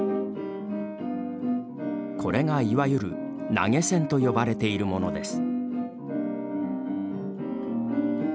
これがいわゆる投げ銭と呼ばれているものです。